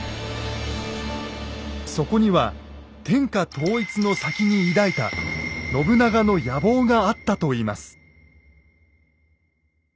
そこには天下統一の先に抱いた信長の野望があったといいます。